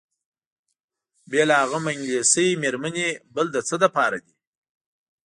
بېله هغه هم انګلیسۍ میرمنې بل د څه لپاره دي؟